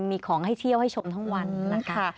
มีของให้เที่ยวให้ชมทั้งวันนะคะ